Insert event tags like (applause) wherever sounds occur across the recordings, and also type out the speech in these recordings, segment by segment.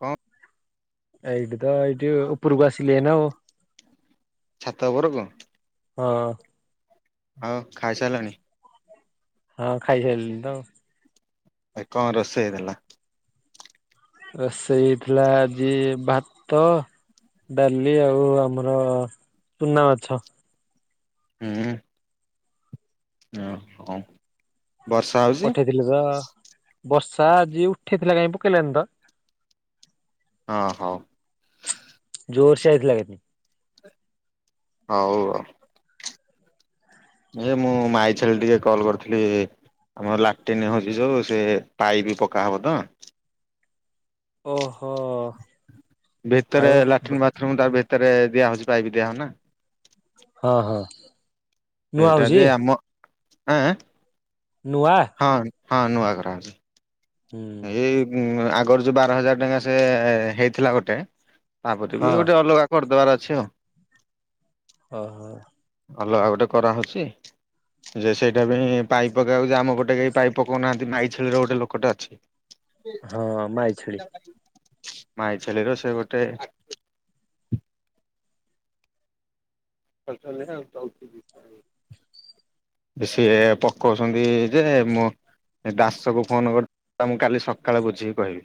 କଣ ହଇଠ (unintelligible) ତ ଏଇଠି ଉପରକୁ ଆସିଲି ଏଈ ନା ଛାତ ଉପରକୁ ହଁ ଆଉ ଖାଇସାରିଲାଣି ହଁ ଖାଇସାରିଲଣି ତ ଆ କଣ ରୋଷଇ ହେଇଥିଲା। ରୋଷେଇ ଥିଲା ଆଜି ଭାତ ଡାଲି ଆଉ ଆମର ଚୁନା ମାଛ ହୁଁ। ହଁ ହ। ପଠେଇଥିଲେ ତ ବସ ବଶା ଆଜିି ଉଠେଇଥିଲା କାଇହିଁ ପକେଇଲେନି ତ ହଁ ହଁ। ଜୋର ସେ ଆଇଥିଲା କେ (unintelligible) ହଁ ହଉ। ଏ ମୁଁ ମାଇ ଛେଳି ଟିକେ କଲ୍ କରିଥିଲି ଆମର ଲାଟନ୍ ହେଉଛି ଯୋଉ ସେ ପାଇ ବି ପକାହବ ତ ଓହୋ। ଭିତରେ ଆଉ ଲାଟ୍ରନ୍ ବାଥରୁମ ଟ ଭିତ ଭରେ ଦିଆ ହଉଛି ପାଇ ବିି ଦିଆହଉ ନା ହଁ ହଁ। ନୂଆ ସେଇଟା ହଉଛି ଯେ ଆମ ଆଁ ନୂଆ ହଁ ହଁ ନୂଆ ଘର ହୁଁ। ଉଁ ଆଗରୁ ଯୋଉ ବାର ହଜାର ଟଙ୍କା ସେ ହେଇଥିଲା ଗୋଟେ ତାପରେ ବି ହଁ ଗୋଟେ ଅଲଗା କରିଦବ। ଦାବାରେ ଅଛି। ହ ହୋ। ଅଲଗା ଗୋଟେ କରାହେଉଛି ଯେ ସେଇଟା ପାଇଁ ପାଇପ୍ ପକେଇବାକୁ ଯେ ଆମ ଗୋଟେ କେହି ପାଇପ୍ ପକାଉନାହାନ୍ତି ମାଇ ଛେଳିର ଗୋଟେ ଲୋକଟେ ଅଛି। ହଁ ମାଇ ଛେଳି ା (unintelligible) ମାଇଛେଲି ର ସେ ଗୋଟେ ପସ ତଉଛି ଦ (unintelligible) ସିଏ ପକଉଛନ୍ତି ଯେ ମୁଁ ଦାସକୁ ଫୋନ କରି ମୁଁ କାଲି ସକାଳେ ବୁଝିକି କହିବି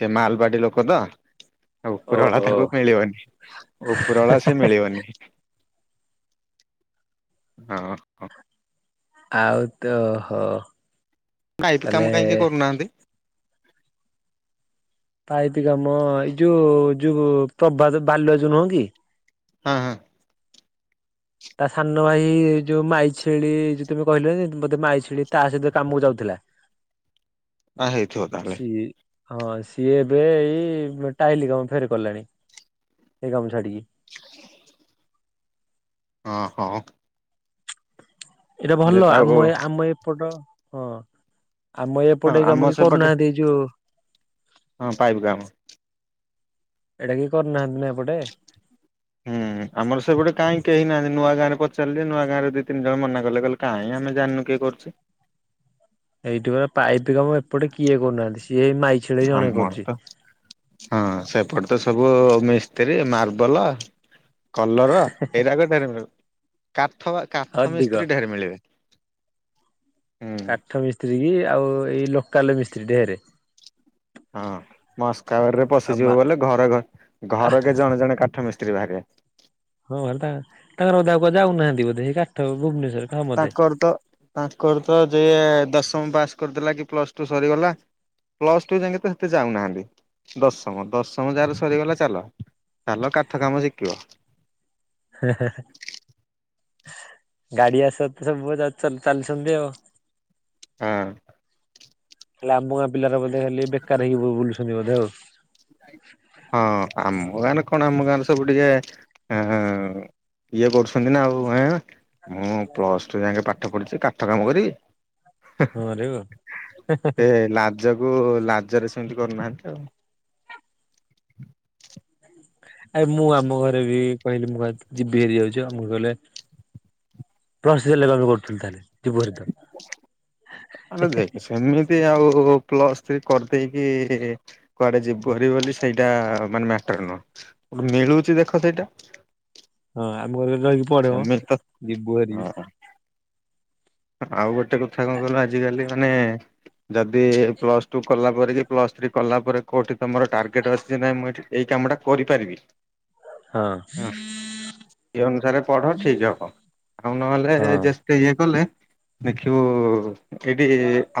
ସେ ମାଲପାଟି ଲୋକ ତ। ଆଉ ଉପରବାଳା ଓହୋ ତାଙ୍କୁ ମିଳିବନି ଉପରବାଳା ସେ ମିଳିବନି। ହଁ ହ ଆଉ ତହୋ ପାଇପ କାମ କାହିଁ କେହି କରୁନାହାନ୍ତି? ପାଇପି କାମ ଏଇ ଯୋଉ ଯୋଉ ପ୍ରଭାତ ବାଲ୍ୟ ଯୋଉ ନୁହଁ କି ହଁ ହଁ ତା ସାନ ଭାଇ ଯୋଉ ମାଇ ଛେଳି ଯୋଉ ତମେ କହିଲ ଯେ ମତେ ମାଇ ଛେଳି ତା ସହିତ କାମକୁ ଯାଉଥିଲା। ଆ ହେଇଥିବ ତାହାଲେ ସିଏ ହଁ ସିଏ ଏବେ ଏଇ ଟାଇଲି କାମ ଫେର କଲାଣି ଏଇ କାମ ଛାଡିକି। (inaudible) ହଁ ହଁ ଏଇଟା ଯେ ଭଲ ତାକୁ ଆମ ଆମ ଏପଟ ହଁ। ଆମ ହଁ ଏପଟେ ଏଇ ଆମ କାମ କେହି ସେପଟେ କରୁନାହାନ୍ତି ଏଇ ଯୋଉ ହଁ ପାଇବୁ କାମ। ଏଇଟା କେହି କରୁନାହାନ୍ତି ନା ଏପଟେ। ହୁଁ ଆମର ସେପଟେ କାହିଁ କେହି ନାହାନ୍ତି ନୂଆ ଗାଁରେ କ ଚାଲି ନୂଆ ଗାଁ ରେ ଦି ତିନି ଜଣ ମନା କଲେ କହିଲେ କାହିଁଁ ଆମେ ଜାଣିନୁ କିଏ କରୁଛି। ସେଠି ବା ପାଇପି କାମ ଏପଟେ କିଏ କରୁନାହାନ୍ତି। ସିଏ ଏଇ ମାଇ ଛେଳି ଜଣେ ଆମର କରୁଛି। ତ ହଁ ସେପଟେ ତ ସବୁ ମିସ୍ତ୍ରୀ ମାର୍ବଲ। କଲର ଏରାବି ମିଳିବ। କା। ଥବା କାଠ ଅଧିକ ମିସ୍ତ୍ରୀ ଢେର ମିଳିବେ। ହୁଁ। କାଠ ମିସ୍ତ୍। ମିସ୍ତ୍ରୀ ଆଉ ଏଇ ଲୋକାଲ ମିସ୍ତ୍ରୀ ଢେରେ। ହଁ ମସ୍କା ଆଉ ପଶିଯିବ ମା ବୋଲେ ଘରେ ଘର କେ ଜଣେ ଜଣେ କାଠ ମିସ୍। ମିସ୍ତ୍ରୀ ବାହାରିବେ। ହଁ ତାଙ୍କର ବୋଧେ ଆଉ କୁଆଡ଼େ ଯାଉନାହାନ୍ତି ବୋଧେ ଏଇ କାଠ ଭୁବନେଶ୍ୱର ତାଙ୍କର ତ ତାଙ୍କର ତ ଯେ ଦଶମ ପାସ କରିଦେଲା କି ପ୍ଲସ୍ ଟୁ ସରିଗଲା ପ୍ଲସ୍ ଟୁ ଯାଇଁକି ତ ସେତେ ଯାଉନାହାନ୍ତି ଦଶମ ଦଶମ ଯାର ସରିଗଲା ଚାଲ ଚାଲ କାଠ କାମ ଶିଖିବ। ଗାଡି ଆସ ତ ସବୁ ଚାଲଛନ୍ ଚାଲଛନ୍ତି ଆଉ। ହଁ। ଲାମୁଆ ପିଲାର ବୋଧେ ହେଲି ବେକାର ହେଇକି ବୁ ବୁଲୁଛନ୍ତି ବୋଧେ ଆଉ। ହଁ ଆମ ଗାଁ ର କଣ ଆମ ଗାଁର ସବୁ ଟିକେ ଅ ଇଏ କରୁଛନ୍ତି ନା ଆଉ ଆ ମୁଁ ପ୍ଲସ ଟୁ ଯାଇକ ପାଠ। ପାଠ ପଢିଥିଲ କାଠ କାମ କରିବି। ହଁ ରରେ ହଁ ହେଁ ହେଁ। ଯୋଗୁ ଲାଜରେ ସେମିତି କରୁନାହାନ୍ତି ତାଉ। ଆ ମୁଁ ଆମ ଘରେ ବି। କହିଲି ମୁଁ କ ଯିବି ହେରିଯାଉଛି ଆଉ କହିଲେ ପରସି କାମ କରୁଥିଲୁ ତାହାଲେ ଯିବୁ ହେରିତ। ଆବେ ଦେଖ ସେମିତି ଆଉ। ପ୍ଲସ ଥ୍ରୀ କରିଦେଇକି କୁଆଡେ ଯିବ ବୋଲି ସେଇଟା ମାନେ ମ୍ୟାଟର ନୁହଁ ମିଳୁଛି ଦେଖ ଏଇଟା। ଆମୁଁ। ରହିକି ପଡେଇବ ଯିବୁ ହାରି। ହଁ ଆଉ ଗୋଟେ କଥା କଣ କଲୁ ଆଜି କାଲି ମାନେ ଯଦି ପ୍ଲସଟୁ କଲା ପରେ କି ପ୍ଲସ୍ ଥ୍ରୀ କଲା ପରେ କୋଉଠି ତମର ଟାର୍ଗେଟ ଅଛି ନାଇ ମୁଁ ଏଠି। ଏଇ କାମ ଟା କରିପାରିବି। ହଁ ହୁଁ ଇ ଅନୁସାରେ ପଢ ଠିକ ହବ ଆଉ ନହେଲେ ହଁ ଯେତେ ଇଏ କଲେ ଦେଖିବୁ ଏଇଠି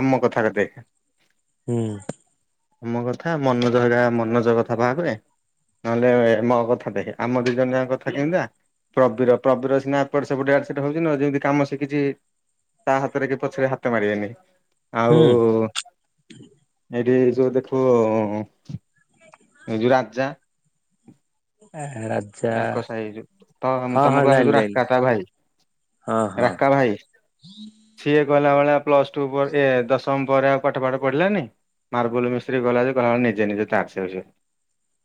ଆମ କଥା ହେବେ। ହୁଁ। ମୋ କଥା ମନୋଜର ଯାହା ମନୋଜ କଥା ବାହାହେବେ ନହେଲେ ମୋ କଥା ଦେଖେ ଆମ ଦି ଜଣ ଯାକ କଥା କେମିତିକା ପ୍ରବୀର ପ୍ରବୀର ସିନା ଏପଟ ସେପଟ (unintelligible) ହଉଛି ଯେମିତି କାମ ସିକିଛି। ତା ହାତରେ କି ପଛରେ ହାତ ମାରିବେନି। ହୁଁ ଆଉ ଏଠି। ଯୋଉ ଦେଖ ଏ ଯଉ ରାଜା। ରାଜା ୟାଙ୍କ ସାହି ଯଉ ତ ହଁ ହଁ ତମକୁ ଜାଣିଲି ଆସଛୁ ଜାଣିଲି ରାକା ତା ଭାଇ ହଁ ହଁ ରାକା ଭାଇ ସିଏ। ଗଲାବେଳେ ପ୍ଲସଟୁ ପରେ ଏ ଦଶମ ପରେ ଆଉ ପାଠ ପାଠ ପଢିଲାନି ମାର୍ବୁଲ ମିସ୍ତ୍ରୀ ଗଲା ଯେ ଗଲାବେ ନିଜେ ନିଜେ। (unintelligible)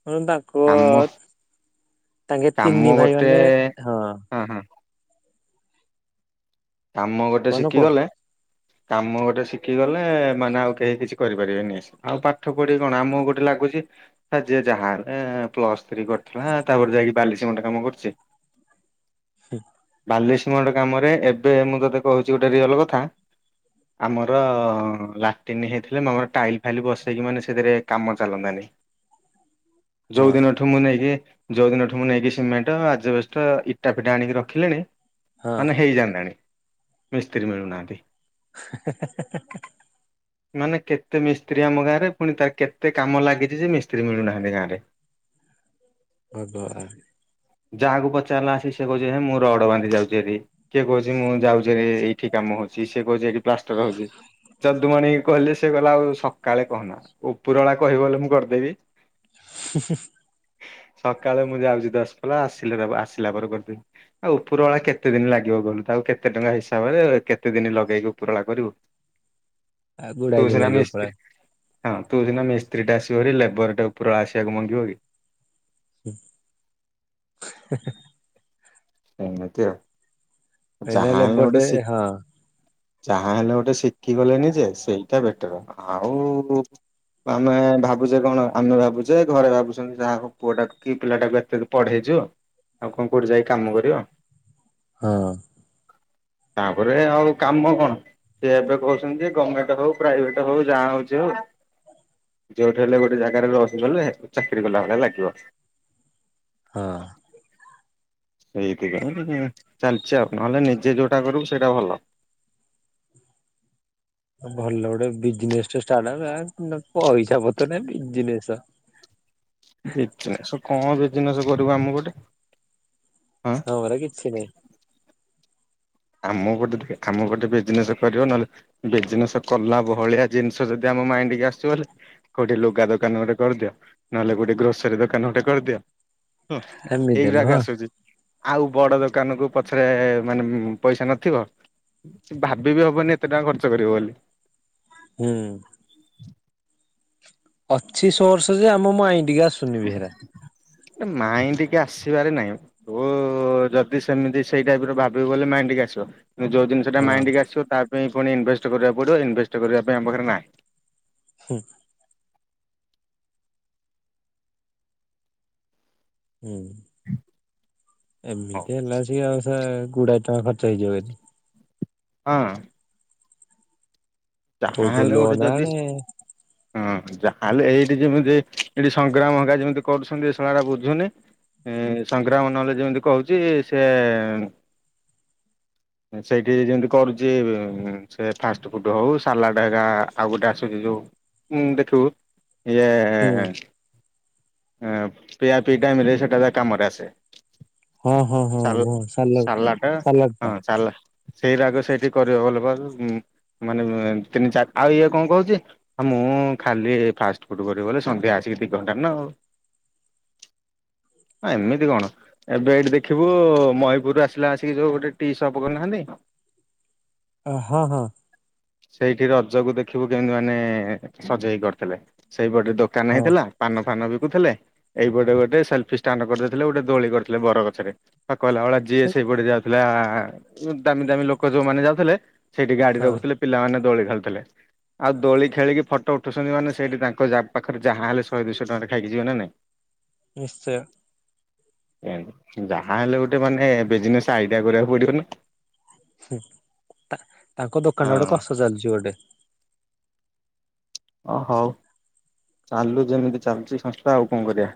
ମୁ ତାଙ୍କୁ। କାମ ତାଙ୍କେ କାମ ତିନି ଭାଇ ଗୋଟେ ମାନେ ହଁ। କାମ ଗୋଟେ କହୁନ କୁହ ଶିଖିଗଲେ। କାମ ଗୋଟେ ଶିଖିଗଲେ ମାନେ ଆଉ କେହି କିଛି କରିପାରିବେନି ଆଉ ପାଠ ପଢିକି କଣ ଆମକୁ ଗୋଟେ ଲାଗୁଛି ଯେ ଯାହା ହେଲେ ପ୍ଲସ ଥ୍ରୀ କରିଥିଲା ତାପରେ ଯାଇକି ବାଲି ସମେଣ୍ଟ କାମ କରୁଛି। ହୁଁ। ବାଲି ସିମେଣ୍ଟ କାମରେ ଏ ଏବେ ମୁଁ ତୋତେ କହୁଛି ଗୋଟେ ରିଅଲ କଥା ଆମର ଲାଟରିନ୍ ହେଇଯାଇଥିଲେ ମୋର ଟାଇଲ ଫାଇଲ ବସେଇକି ମାନେ ସେଥିରେ କାମ ଚାଲନ୍ତାନି। ହଁ ଯୋଉଦିନଠୁ ମୁଁ ନେଇକି ଯୋଉ ଦିନଠୁ ମୁଁ ନେଇକି ସିମେଣ୍ଟ ଆଜବେଷ୍ଟର ଇଟା ଫିଟା ଆଣିକି ରଖିଲିଣି। ହଁ ମାନେ ହେଇ ଯାଆନ୍ତାଣି। ମିସ୍ତ୍ରୀ ମିଳୁ ନାହାନ୍ତି। ହେ ହେ ହେ ହେ। ମାନେ କେତେ ମିସ୍ତ୍ରୀ ଆମ ଗାଁରେ ପୁଣି ତାର କେତେ କାମ ଲାଗିଛି ଯେ ମିସ୍ତ୍ରୀ ମିଳୁନାହାନ୍ତି ଗାଁରେ। ଆବା ଆ। ଯାହାକୁ ପଚାରିଲା ଆସି ସେ କହୁଛି ହେ ମୋର ରଡ ବାନ୍ଧି ଯାଉଛି ଏଠି କିଏ କହୁଛି ମୁଁ ଯାଉଛିରେ ଏଇଠି କାମ ହଉଛି ସେ କହୁଛି ଏଠି ପ୍ଲାଷ୍ଟର ହଉଛି ଚନ୍ଦୁମଣି କହିଲେ ସେ କହିଲା ଆଉ ସକାଳେ କହନା ଉପରବେଳା କହିବୁ ବେଲେ ମୁଁ କରିଦେବି। ହୁଁ ହୁଁ। ସକାଳେ ମୁଁ ଯାଉଛି ଦଶ ପଲା ଆସିଲେ ଦେବ ଆସିଲା ପରେ କରିଦେବି ଆଉ ଉପର ବଳା କେତେ ଦିନ ଲାଗିବ ଗଲୁ। ତାକୁ କେତେ ଟଙ୍କା ହିସାବରେ କେତେ ଦିନ ଲଗେଇକି ଉପରବଳା କରିବୁ ଆ ତୁ ଗୁଡାଇ ଦିନ ସିନା ଲାଗିବ ମିସ୍ତ୍ରୀ ପରା ହଁ ତୁ ସିନା ମିସ୍ତ୍ରୀ ଟା ଆସିବ (unintelligible) ଲେବର ଟା ଉପରବଳା ଆସିବାକୁ ମାଙ୍ଗିବ କି? ହୁଁ ହେଁ। ଏମିତି ଆଉ। (unintelligible) ହଁ ଚାହା ହେଲେ ଗୋଟେ ଶିଖି ଗଲେନି ଯେ ସେଇଟା ବେଟର ଆଉ ଆମେ ଭାବୁଛେ କଣ ଆମେ ଭାବୁଛେ ଘରେ ଭାବୁଛନ୍ତି ଯାହା ହଉ ପୁଅଟା କି ପିଲାଟାକୁ ଏତେ ପଢେଇଚୁ ଆଉ କଣ କୋଉଠି ଯାଇ କାମ କରିବ। ହଁ। ତାପରେ ଆଉ କାମ କଣ ସିଏ ଏବେ କହୁଛନ୍ତି ଗମେଣ୍ଟ ହଉ ପ୍ରାଇଭେଟ ହଉ ଯାହା ହଉଛି ହଉ ଯୋଉଠି ହେଲେ ଗୋଟେ ଜାଗାରେ ରହିଗଲେ ଚାକିରି କଲା ଭଳିଆ ଲାଗିବ। ହଁ। ସେଇଠିକାର ନା ନି ଚାଲିଛି ଆଉ ନହେଲେ ନିଜେ ଯୋଉଟା କରିବୁ ସେଇଟା ଭଲ। ଭଲ ଗୋଟେ ବିଜେନ୍ସ୍ ଟେ ଷ୍ଟାଟ୍ ହେଲା ମାନେ ପଇସା ପତର ନାହିଁ ବିଜିନେସ। ବେକାର୍ ସେ କଣ ବେ ବିଜିନେସ କରିବୁ ଆମେ ଗୋଟେ। ହଁ ପରା କିଛି ନାହିଁ। ଆମ ଗୋଟେ ଟିକେ ଆମ ଗୋଟେ ବିଜନେସ କରିବ ନହେଲେ ବିଜନେସ କଲା ଭଳିଆ ଜିନିଷ ଯଦି ଆମ ମାଇଣ୍ଡ୍ କୁ ଆସିବ ବଲେ କୋଉଠି ଲୁଗା ଦୋକାନ ଗୋଟେ କରିଦିଅ ନହେଲେ ଗୋଟେ ଗ୍ରୋସରୀ ଦୋକାନ ଗୋଟେ କରିଦିଅ। ହଁ ସେମିତି ଏଇଗୁରାକ ନୁହଁ ଆସୁଛି। ଆଉ ବଡ ଦୋକାନ କୁ ପଛରେ ମାନେ ପଇସା ନଥିବ ଭାବିବି ହବନି ଏତେ ଟଙ୍କା ଖର୍ଚ୍ଚ କରିବ ବୋଲି। ହୁଁ। ଅଛି ସୋର୍ସ ଯେ ଆମ ମାଇଣ୍ଡିକୁ ଆ ଶୁନି ବେହେରା। ମାଇଣ୍ଡ କି ଆସିବାରେ ନାହିଁ ତୁ ଯଦି ସେମିତି ସେଇ ଟାଇପ୍ ର ଭାବିବୁ ହେଲେ ମାଇଣ୍ଡକି ଆସିବ। ଯୋଉ ଜିନିଷଟା ହଁ ମାଇଣ୍ଡ କି ଆସିବ ତା ପୁଣି ଇନଭେଷ୍ଟ୍ କରିବାକୁ ପଡିବ ଇନଭେଷ୍ଟ୍ କରିବା ପାଇଁ ଆମ ପାଖରେ ନାହିଁ। ହୁଁ। ହୁଁ। ହଁ ଏମିତି ହେଲେ ଆଉ ସିଏ ଆଉ ସେ ଗୁଡାଏ ଟଙ୍କା ଖର୍ଚ୍ଚ ହେଇଯିବ ଏଠି। ହଁ। କୋଉଠୁ ଗୋଟେ ଲୋନ୍ ଯଦି ଆଣେ ହଁ ଯାହାହେଲେ ଏଇଠି ଯେମିତି ଏଠି ସଂଗ୍ରାମ ହେକା ଯେମିତି କରୁଛନ୍ତି ଶଳାଟା ବୁଝୁନି ସଂଗ୍ରାମ ନହେଲେ ଯେମିତି କହୁଛି ସେ ସେଇଠି ଯେମିତି କରୁଛି ଏବେ ସେ ଫାଷ୍ଟ୍ ଫୁଡ୍ ହଉ ସାଲା ଢାଗା ଆଉ ଗୋଟେ ଆସୁଛି ଯୋଉ ଦେଖିବୁ ଇଏ ହୁଁ ଆ ପିଆ ପିଇ ଟାଇମ୍ ରେ ସେଟା ଯା କାମରେ ଆସେ। ହଁ ହଁ ହଁ ସାଲ ହଁ ସାଲଟ୍ ସାଲାଟ୍ ଟା। ସେଇ ରାଗ ସେଇଠି କରିବ ଭଲ ବା ମାନେ ତିନି ଚାର ଆଉ ଇଏ କଣ କହୁଛି ମୁଁ ଖାଲି ଫାଷ୍ଟ୍ ଫୁଡ୍ କରିବି ବୋଲି ସନ୍ଧ୍ୟାରେ ଆସିବି ଦି ଘଣ୍ଟା ନା ଆଉ ଏମିତି କଣ ଏବେ ଏଠି ଦେଖିବୁ ମୟୀପୁରରୁ ଆସିଲା ଆସିକି ଯୋଉ ଗୋଟେ ଟି ସପ୍ କରିନାହାନ୍ତି ହଁ ହଁ। ସେଇଠି ରଜକୁ ଦେଖିବୁ କେମିତି ମାନେ ସଜେଇ କି କରିଥିବେ। ସେଇପଟେ ଦୋକାନ ହଁ ହେଇଥିଲା ପାନ ଫାନ ବି ଥିଲେ ଏଇପଟେ ଗୋଟେ ସେଲଫି ଷ୍ଟାଣ୍ଡ୍ କରିଦେଇଥିଲେ ଗୋଟେ ଦୋଳି କରିଥିଲେ ବର ଗଛରେ। କହିଲା ଭଳିଆ ଯିଏ ସେ ସେଇପଟେ ଯାଉଥିଲା ହଁ। ଦାମି ଦାମୀ ଲୋକ ଯୋଉମାନେ ଯାଉଥିଲେ ସେଇଠି ଗାଡି ହଁ ରଖୁଥିଲେ। ସେମାନେ ଦୋଳି ଖେଳୁଥିଲେ ଆଉ ଦୋଳି ଖେଳିକି ଫଟୋ ଉଠୁଛନ୍ତି ମାନେ ସେଠି ତାଙ୍କ ପାଖରେ ଯାହା ହେଲେ ଶହେ ଦୁଶହ ଟଙ୍କାର ଖାଇକି ଯିବେ ନା ନାଇଁ। ନିଶ୍ଚୟ। ମତି ଯାହା ହେଲେ ଗୋଟେ ମାନେ ବିଜନେସ୍ ଆଇଡିଆ କରିବାକୁ ପଡିବ ନା। ହୁଁ ତା ତାଙ୍କ ଦୋକାନ ଗୋଟେ ହଁ। କଷ ଚାଲିଚି ଗୋଟେ। ଓ ହଉ। ଚାଲୁ ଯେମିତି ଚାଲିଚି ସଂସ୍ଥା ଆଉ କଣ କରିବା।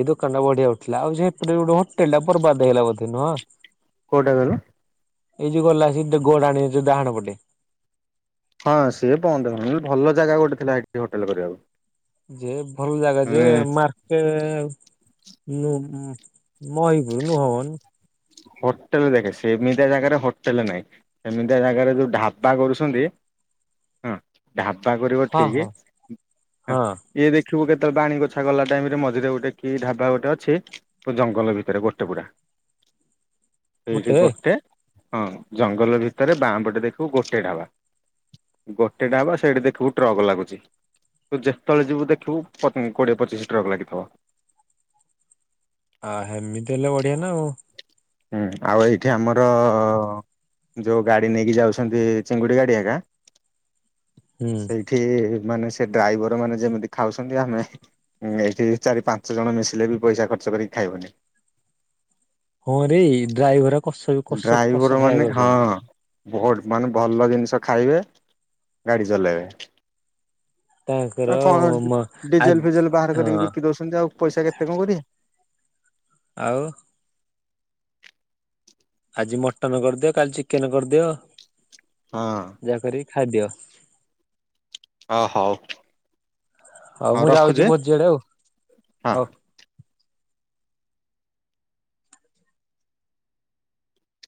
ଏଇ ଦୋକାନ ଟା ବଢିଆ ଉଠିଲା ଆଉ ସେପଟ ଗୋଟେ ହୋଟେଲ ଟା ବର୍ବାଦ ହେଇଲା ବୋଧେ ନୁହଁ। କୋଉଟା କହିଲ? ଏଇ ଯଉ ଗଲା ଆସିଲା ଗୋଡାଣି ଡାହାଣ ପଟେ ହଁ ସିଏ ବନ୍ଦ ହେଇଗଲାଣି ଭଲ ଜାଗା ଗୋଟେ ଥିଲାଠି ହୋଟେଲ କରିବାକୁ। ଯେ ଭଲ ଜାଗା ଯେ ମାନେ ମାର୍କେ ମୋ ମହିଗୁରୁ ନୋନ୍। ହୋଟେଲ ଦେଖେ ସେମିତିଆ ଜାଗାରେ ହୋଟେଲ ନାହିଁ ସେମିତିଆ ଜାଗାରେ ଯୋଉ ଢାବା କରୁଛନ୍ତି ହଁ ଢା ଢାବା କରିବ ହଁ ଠିକି ହଁ ଆଁ ହଁ ଇଏ ଦେଖ ଶୁବୁ କେତେବେଳେ ପାଣି ଗଛା ଗଲା ଟାଇମ ରେ ମଝିରେ ଗୋଟେ କି ଢାବା ଗୋଟେ ଅଛି ପୁ ଜଙ୍ଗଲ ଭିତରେ ଗୋଟେ ପୁରା। ସେଇଠି ଗୋଟେ। ହଁ ଜଙ୍ଗଲ ଭିତରେ ବାଁ ପଟେ ଦେଖିବୁ ଗୋଟେ ଢାବା ଗୋଟେ ଢାବା ସେଇଠି ଦେଖିବୁ ଟ୍ରକ ଲାଗୁଚି ତୁ ଯେତଳେ ଯିବୁ ଦେଖିବୁ ପ କୋଡ଼ିଏ ପଚିଶି ଟ୍ରକ୍ ଲାଗିଥବ। ଆ ହେମିତି ହେଲେ ବଢିଆ ନା ଆଉ। ହୁଁ ଆଉ ଏଇଠି ଆମର ଯୋଉ ଗାଡି ନେଇକି ଯାଉଛନ୍ତି ଚିଙ୍ଗୁଡି ଗାଡି ଏକା। ହୁଁ ସେଇଠି ମାନେ ସେ ଡ୍ରାଇବର ମାନେ ଯେମିତି ଖାଉଛନ୍ତି ଆମେ ଉଁ ଏଇଠି ଚାରି ପାଞ୍ଚ ଜଣ ମିଶିଲେ ବି ପଇସା ଖର୍ଚ୍ଚ କରିକି ଖାଇବୁନି। ହଁ ରେ ଡ୍ରାଇଭର। କସିକି କସ କସ ଡ୍ରାଇଭର ମାନେ ହଁ ଖାଇଆଦୋଉଚନ୍ତି। ବହୁତ ମାନେ ଭଲ ଜିନିଷ ଖାଇବେ ଗାଡି ଚଲେଇବେ। ତାଙ୍କର ଆଉ କଣ ଡି ମ ଆ ଡିଜେଲ ଫିଜେଲ ବାହାର କରିକି ହଁ ବିକି ଦଉଛନ୍ତି ଆଉ। ପଇସା କେତେ କଁ କରିଆ? ଆଉ ଆଜି ମଟନ କରିଦିଅ କାଲି ଚିକେନ କରିଦିଅ ହଁ ଯାହା କିରିକି ଖାଇଦିଅ। ଅ ହଉ। ହଉ ମୁଁ ଯାଉଛି ଭୋଆଡେ ଆଉ ହଁ। ହଉ।